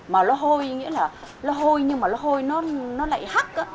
mà nó hôi nghĩa là nó hôi nhưng mà nó hôi nó lại hắc